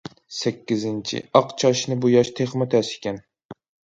سەككىزىنچى، ئاق چاچنى بوياش تېخىمۇ تەس ئىكەن.